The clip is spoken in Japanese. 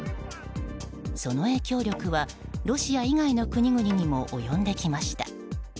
その影響力はロシア以外の国々にも及んできました。